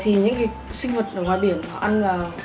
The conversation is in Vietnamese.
thì những cái sinh vật nó sẽ bị thải ra ngoài môi trường